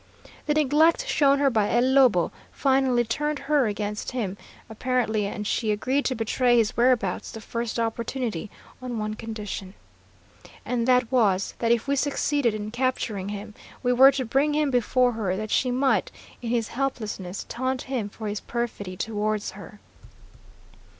The neglect shown her by El Lobo finally turned her against him, apparently, and she agreed to betray his whereabouts the first opportunity on one condition. And that was, that if we succeeded in capturing him, we were to bring him before her, that she might, in his helplessness, taunt him for his perfidy towards her.